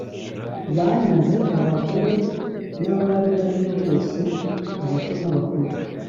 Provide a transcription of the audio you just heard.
Banyaze abagore n’abari bari yo bose abato n’abakuru